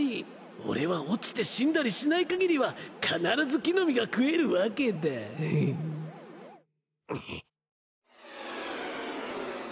俺は落ちて死んだりしない限りは必ず木の実が食えるわけだ。ヘヘッんん。